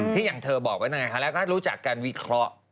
อย่างเธอบอกไว้นั่นไงคะแล้วก็รู้จักการวิเคราะห์